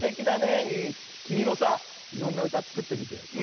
きみもさいろんなうたつくってみてよ。